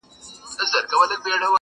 د زړه کور کي مي جانان په کاڼو ولي-